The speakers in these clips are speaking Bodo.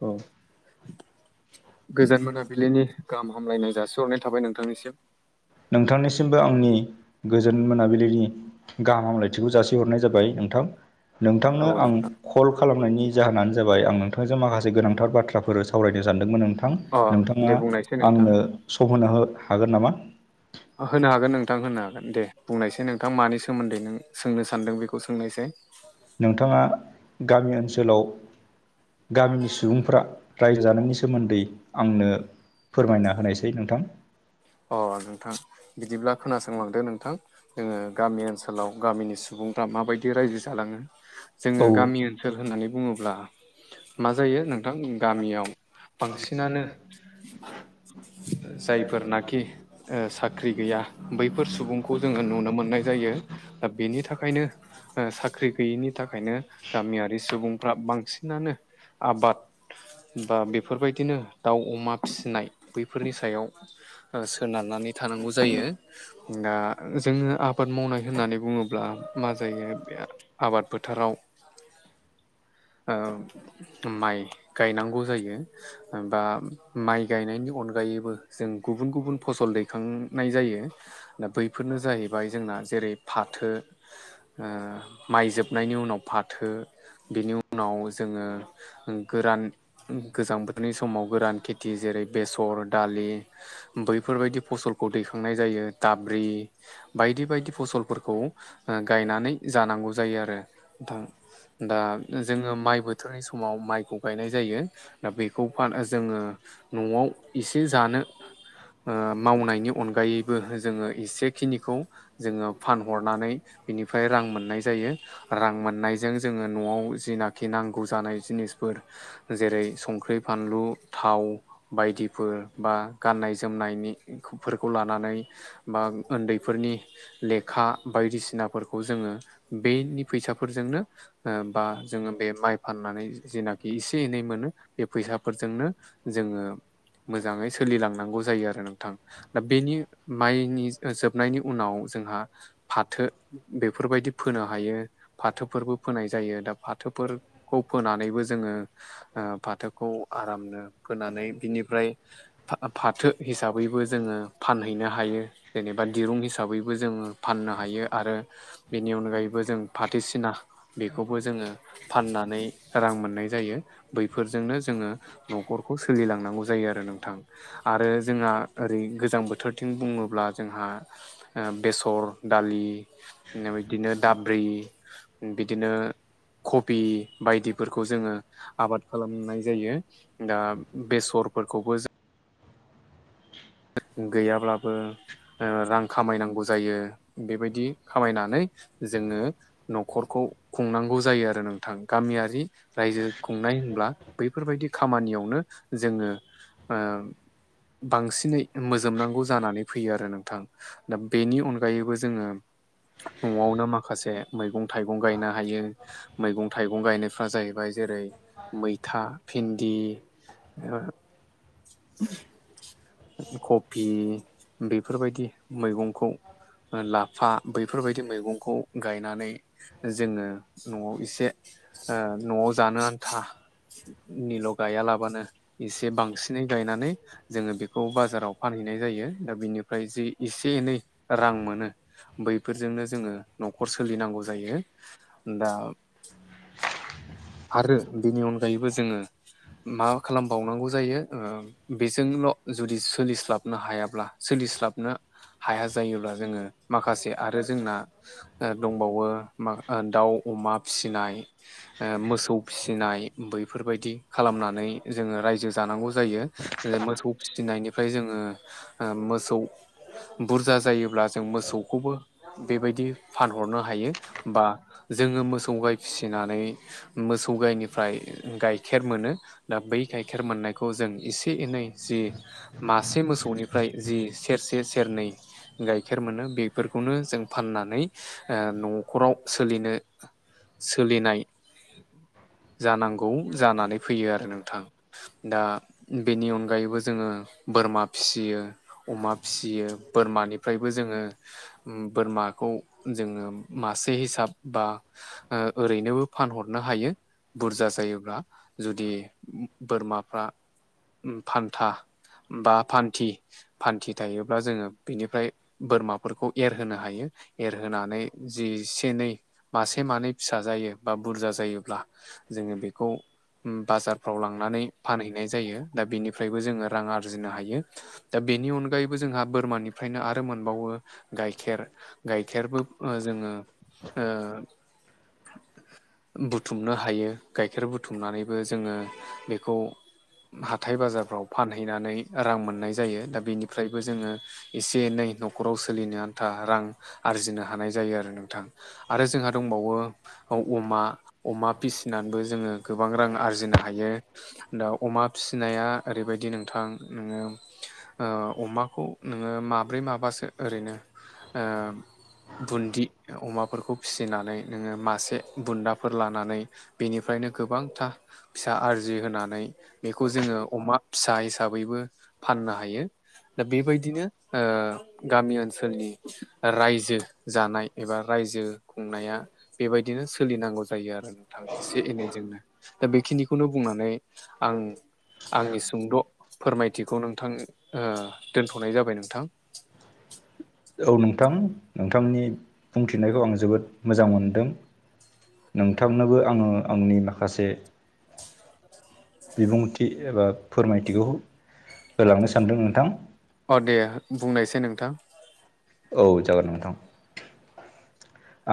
औ गोजान मोनाबिलिनि गाहाम हामलायनाय जासिहरनाय थाबाय नोंथांनिसिम। नोंथांनिसिमबो आंनि गोजोन मोनाबिलिनि गाहाम हामलायथिखौ जासिहरनाय जाबाय नोंथां औ नोंथांनो आं नोंथां कल खालामनायनि जाहोनानो जाबाय आं नोंथांजों माखासे गोनांथार बाथ्राफोर सावरायनो सानदोंमोन नोंथां। अ नोंथां दे नोंथाङा बुंनायसै नोंथां आंनो सम होनो हागोन नामा? होनो हागोन नोंथां होनो हागोन दे बुंनायसाय नोंथां मानि सोमोन्दै नों सोंनो सानदों बेखौ सोंनायसाय। नोंथाङा गामि ओनसोलाव गामिनि सुबुंफ्रा रायजो जानायनि सोमोन्दै आंनो फोरमायना होनायसाय नोंथां। अ नोंथां बिदिब्ला खोनासंलांदो नोंथां। जोङो गामि ओनसोलाव गामिनि सुबुंफ्रा माबायदि रायजो जालाङो जोङो औ गामि ओनसोल होननानै बुङोब्ला मा जायो नोंथां गामियाव बांसिनानो जायफोर ना साख्रि गैया बैफोर सुबुंखौ जोङो नुनो मोननाय जायो। दा बेनि थाखायनो ओ साख्रि गैयिनि थाखायनो गामियारि सुबुंफ्रा बांसिनानो आबाद बा बेफोरबायदिनो दाउ अमा फिसिनाय बैफोरनि सायाव ओ सोनारनानै थानांगौ जायो। दा जोङो आबाद मावनाय होननानै बुङोब्ला मा जायो बेराद आबाद फोथाराव [inaudible] ओ माइ गायनांगौ जायो। बा माइ गायनायनि अनगायैबो जों गुबुन गुबुन फसल दैखांनाय जायो। दा बैफोरनो जाहैबाय जोंना जेरै फाथो। ओ माइ जोबनायनि उनाव फाथो बिनि उनाव जोङो ओ गोरान गोजां बोथोरनि समाव गोरान खेथि जेरै बेसर दालि बैफोरबायदि फसलखौ दैखांनाय जायो दाब्रि बायदि बायदि फसलफोरखौ ओ गायनानै जानांगौ जायो आरो नोंथां। दा जोङो माइ बोथोरनि समाव माइखौ गायनाय जायो। दा बेखौ [unintelligible] जोङो न'आव एसे जानो। ओ मावनायनि अनगायैबो जोङो एसेखिनिखौ जोङो फानहरनानै बिनिफ्राय रां मोननाय जायो। रां मोननायजों जोङो न'आव जिनाखि नांगौ जानाय जिनिसफोर जेरै संख्रि फानलु थाव बायदिफोर बा गाननाय जोमनायनिफोरखौ लानानै बा उन्दैफोरनि लेखा बायदिसिनाफोरखौ जोङो बेनि फैसाफोरजोंनो ओ बा जोङो बे माइ फाननानै जेनाखि एसे एनै मोनो बे फैसाफोरजोंनो जोङो मोजाङै सो सोलिलांनांगौ जायो आरो नोंथां दा बेनि माइनि जोबनायनि उनाव जोंहा फाथो बेफोरबायदि फोनो हायो। फाथोफोरबो फोनाय जायो दा फाथोफोरखौ फोनानैबो जोङो ओ फाथोखौ आरामनो फोनानै बिनिफ्राय फा-फाथो हिसाबैबो जोङो फानहैनो हायो। जेनेबा दिरुं हिसाबैबो जोङो फाननो हायो आरो ‌। बेनि अनगायैबो जों फाथैसिना बेखौबो जोङो फाननानै रां मोननाय जायो बैफोरजोंनो जोङो न'खरखौ सोलिलांनांगौ जायो आरो नोंथां। आरो जोंहा ओरै गोजां बोथोरथिं बुङोब्ला जोंहा ओ बेसर दालि बिदिनो दाब ब्रै बिदिनो कबि बायदिफोरखौ जोङो आबाद खालामनाय जायो दा बेसरफोरखौबो जों [inaudible] गैयाब्लाबो ओ रां खामायनांगौ जायो बेबायदि खामायनानै जोङो न'खरखौ खुंनांगौ जायो आरो नोंथां गामियारि रायजो खुंनाय होनब्ला बैफोरबायदि खामानियावनो जोङो ओ बांसिनै मोजोबनांगौ जानानै फैयो आरो नोंथां दा बेनि अनगायैबो जोङो न'आवनो माखासे मैगं थाइगं गायनो हायो। मैगं थाइगं गायनायफ्रा जाहैबाय जेरै मैथा भिन्दि ए कफि बेफोरबायदि मैगंखौ लाफा बैफोरबायदि मैगंखौ गायनानै जोङो न'आव एसे ओ‌ न'आव जानो आनथा निल' गायालाबानो एसे बांसिनै गायनानै जोङो बे बेखौ बाजाराव फानहैनाय जायो दा बैनिफ्राय जि एसे एनै रां मोनो बैफोरजोंनो जोङो न'खर सोलिनांगौ जायो दा आरो बेनि अनगायैबो जोङो मा खालामबावनांगौ जायो बेजोंल' जुदि सोलिस्लाबनो हायाब्ला सोलिस्लाबनो हाया जायोब्ला जोङो माखासे आरो जोंना ओं दंबावो मा ओ दाउ अमा फिसिनाय ओ मोसौ फिसिनाय बैफोरबायदि खालामनानै जोङो रायजो जानांगौ जा जायो ओ मोसौ फिसिनायनि फ्राय आमफ्राय ओ जोङो मोसौ बुरजा जायोब्ला जों मोसौखौबो बेबायदि फानहरनो हायो बा जोङो मोसौ गाय फिसिनानै मोसौ गायनिफ्राय ओ गाइखेर मोनो दा बै गाइखेर मोननायखौ जों एसे एनै जि मासे मोसौनिफ्राय जि सेरसे सेरनै गाइखेर मोनो ओ बेफोरखौनो जों फाननानै न'खराव सोलिनो सोलिनाय जानांगौ जानानै फैयो आरो नोंथां दा बेनि अनगायैबो जोङो बोरमा फिसियो अमा फियो बोरमानिफ्रायबो जोङो बोरमाखौ जोङो मासे हिसाब बा ओ ओरैनोबो फानहरनो हायो बुरजा जायोबा जुदि बोरमाफ्रा ओ फान्था बा फान्थि फान्थि थायोब्ला जोङो बिनिफ्राय बोरमाफोरखौ एरहोनो हायो एरहोनानै जि एसे एनै मासे मानै फिसा जायोबा बुरजा जायोब्ला जोङो बेखौ उम बाजारफ्राव लांनानै फानहैनाय जायो दा बेनिफ्रायबो जोङो रां आरजिनो हायो दा बेनि अनगायैबो जोंहा बोरमानिफ्रायनो आरो मोनबावो गाइखेर गाइखेरबो ओ जोङो‌ ओ बुथुमनो हायो गाइखेर बुथुमनानैबो जोङो बेखौ हाथाइ बाजारफ्राव फानहैनानै रां मोननाय जायो दा बेनिफ्रायबो जोङो एसे एनै न'खराव सोलिनो आनथा रां आरजिनो हानाय जायो आरो नोंथां आरो जोंहा दंबावो हो अमा अमा फिसिनाबो जोङो गोबां रां आरजिनो हायो दा अमा फिसिनाया ओरैबायदि नोंथां उम ओं अमाखौ नोङो माब्रै माबासो ओरैनो ओं बुन्दि अमाफोरखौ फिसिनानै नोङो मासे बुन्दाफोर लानानै बिनिफ्रायनो गोबांथा फिसा आरजि होनानै बेखौ जोङो अमा फिसा हिसाबैबो फाननो हायो दा बेबायदिनो ओ गामि ओनसोलनि ओ रायजो जानाय एबा रायजो खुंनाया बिदिनो सोलिनांगौ जायो आरो नोंथां एसे एनैजोंनो ओं बेखिनिखौनो बुंनानै आं आंनि सुंद' फोरमायथिखौ नोंथां ओ दोनथ'नाय जाबाय नोंथां औ नोंथां नोंथांनि बुंथिनायखौ आं जोबोद मोजां मोनदों नोंथांनोबो आङो आंनि माखासे बिबुंथि एबा फोरमायथिखौ होलांनो सानदों नोंथां अ दे बुंनायसाय नोंथां औ जागोन नोंथां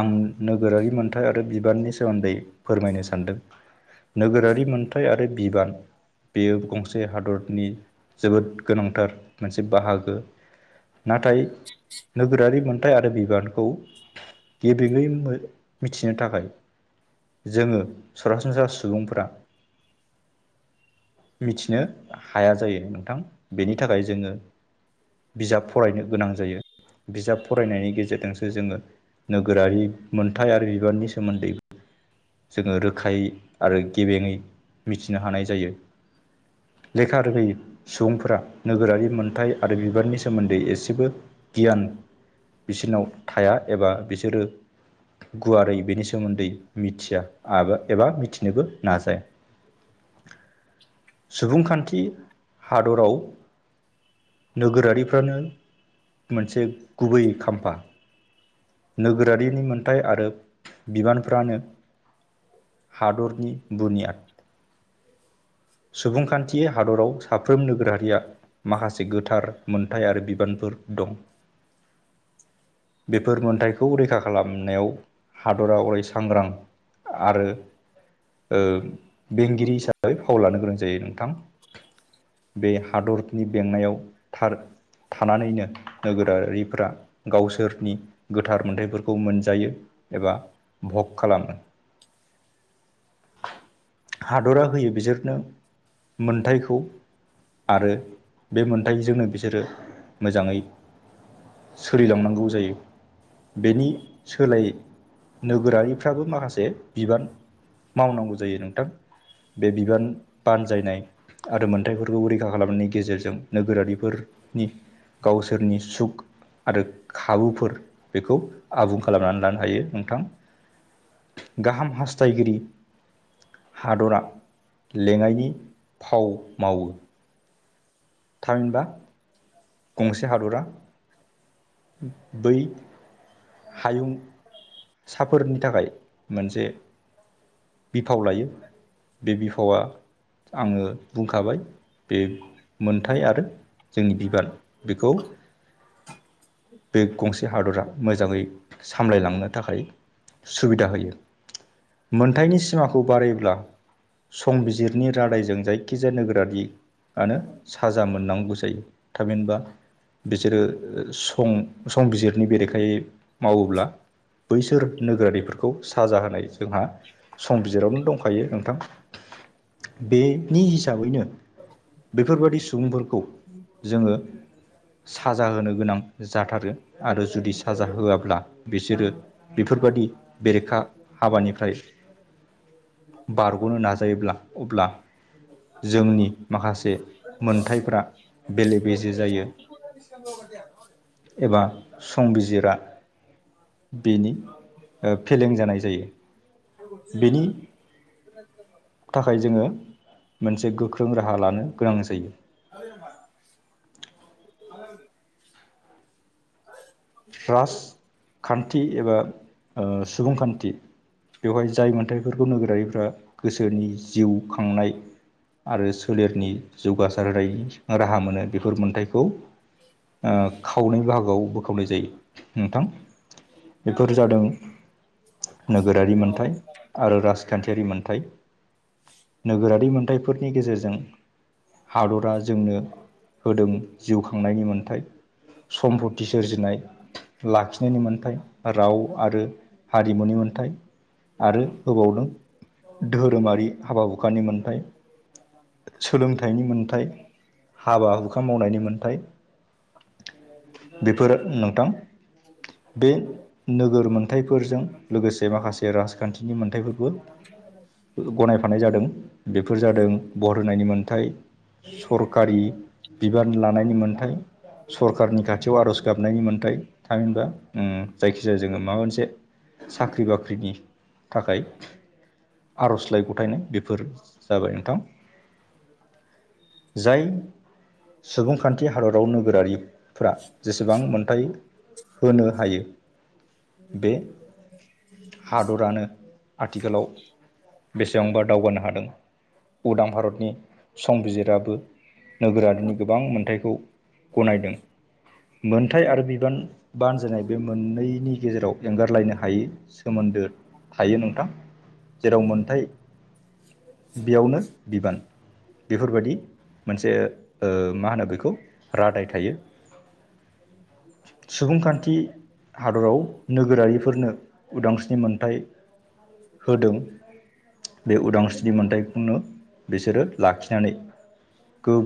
आं नोगोरारि मोनथाय आरो बिबाननि सोमोन्दै फोरमायनो सानदों नोगोरारि मोनथाय आरो बिबान बेयो गंसे हादरनि जोबोद गोनांथार मोनसे बाहागो नाथाय नोगोरारि मोनथाय आरो बिबानखौ गेबेङै मिथिनो थाखाय जोङो सरासनस्रा सुबुंफ्रा मिथिनो हाया जायो नोंथां बेनि थाखाय जोङो बिजाब फरायनो गोनां जायो बिजाब फरायनायनि गेजेरजोंसो जोङो नोगोरारि मोनथाय आरो बिबाननि सोमोन्दै जोङो रोखायै आरो गेबेङै मिथिनो हानाय जायो लेखा रोङै सुबुंफोरा नोगोरारि मोनथाय आरो बिबाननि सोमोन्दै एसेबो गियान बिसोरनाव थाया एबा बिसोरो गुवारै बेनि सोमोन्दै मि मिथिया एबा मिथिनोबो नाजाया सुबुंखान्थि हादराव नोगोरारिफ्रानो मोनसे गुबै खाम्फा नोगोरारिनि मोनथाय आरो बिबानफ्रानो हादरनि बुनियाद सुबुंखान्थि हादराव साफ्रोम नोगोरारिया माखासे गोथार मोनथाय आरो बिबानफोर दं बेफोर मोनथायखौ रैखा खालामनायाव हादरा अराय सांग्रां आरो बेंगिरि हिसाबै फाव लानो गोनां जायो नोंथां बे हादरनि बेंनायाव थार थानानैनो नोगोरारिफोरा गावसोरनि गोथार मोनथायफोरखौ मोनजायो एबा भग खालामो हादरा होयो बिसोरनो मोनथायखौ आरो बे मोन्थाइजोंनो बिसोरो मोजाङै सोलिलांनांगौ जायो बेनि सोलायै नोगोरारिफ्राबो माखासे जे बिबान मावनांगौ जायो नोंथां बे बिबान बानजायनाय आरो मोनथायफोरखौ रैखा खालामनायनि गेजेरजों नोगोरारिफोरनि गावसोरनि सुख आरो खाबुफोर बेखौ आबुं खालामनानै लानो हायो नोंथां गाहाम हास्थायगिरि हादरा लेङायनि फाव मावो थामिनबा गंसे हादरा बै हायुं साफोरनि थाखाय मोनसे बिफाव लायो बे बिफावा आङो बुंखाबाय बे मोनथाय आरो जोंनि बिबान बेखौ बे गंसे हादरा मोजाङै सामलायलांनो थाखाय सुबिदा होयो मोनथायनि सिमाखौ बारायोब्ला संबिजिरनि रादायजों जायखिजाया नोगोरारि आनो साजा मोननांगौ जायो थामहिनबा बिसोरो सं संबिजिरनि बेरेखायै मावोब्ला बैसोर नोगोरारिफोरखौ साजा होनाय जोंहा सं बिजिरावनो दंखायो नोंथां बेनि हिसाबैनो बेफोरबादि सुबुंफोर खौ जोङो साजा होनो गोनां जाथारो आरो जुदि साजा होआब्ला बिसोरो बेफोरबायादि बेरेखा हाबानिफ्राय बारग'नो नाजायोब्ला अब्ला जोंनि माखासे मोनथायफोरा बेले बेजे जायो। [unintelligible] एबा संबिजिरा बेनि ओ फेलें जानाय जायो। बेनि [unintelligible] थाखाय जोङो मोनसे गोख्रों राहा लानो गोनां जायो। [unintelligible] राजखान्थि एबा ओ सुबुंखान्थि बेवहाय जाय मोनथायफोरखौ नोगोरारिफ्रा गोसोनि जिउ खांनाय आरो सोलेरनि जौगासार होनाय राहा मोनो बेफोर मोनथायाइखौ ओ खावनै बाहागोआव खावनाय जायो नोंथां बेफोर जादों नोगोरारि मोनथाय आरो राजखान्थियारि मोन्थाय। नोगोरारि मोनथायफोरनि गेजेरजों हादरा जोंनो होदों जिउ खांनायनि मोनथाय सम्पति सोरजिनाय लाखिनायनि मोन्थाय राव आरो हारिमुनि मोनथाय आरो होबावदों धोरोमारि हाबा हुखानि मोनथाय। सोलोंथाइनि मोनथाय हाबा हुखा मावनायनि मोन्थाय बेफोर नोंथां बे नोगोर मोन्थाइफोरजों लोगोसे माखासे राजखान्थिनि मोन्थयफोरबो [unintelligible] गनायफानाय जादों बेफोर जादों बर होनायनि मोनथाय। सरखारि बिबान लानायनि मोनथाय सरखारनि खाथि खाथियाव आर'ज गाबनायनि मोन्थाय थामिनबा जायखिजाया जोङो माबा मोनसे साख्रि बाख्रिनि थाखाय आर'जलाइ गथायनाय बे फोर जाबाय नोंथां। जाय सुबुंखान्थि हादराव नोगोरारिफोरा बेसेबां मोन्थाय होनो हायो बे हादरानो आथिखालाव बेसेबांबा दावगानो हादों उदां भारतनि संबिजिराबो। नोगोरारिनि गोबां मोनथायखौ गनायदों। मोनथाय आरो बिबान बाानजायनाय बे मोननैनि गेजेराव एंगारलायनो हायो सोमोन्दो थायो नोंथां जेराव मोनथाइ बेयावनो बिबान बेफोरबायाददि मोनसे मा होनो बेखौ रादाय थायो। सुबुंखान्थि हादराव नोगोरारिफोरनो उदांस्रि मोनथाय होदों बे उदांस्रिनि मोन्थायाइखौनो बिसोरो लाखिनानै गो